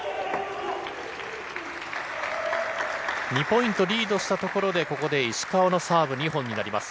２ポイントリードしたところで、ここで石川のサーブ２本になります。